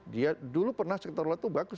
dia dulu pernah sektor laut itu bagus